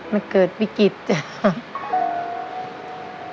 มันเกิดวิกฤตจ้ะครับ